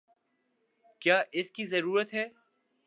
کیا اس کی ضرورت ہے؟